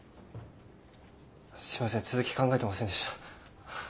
すいません続き考えてませんでした。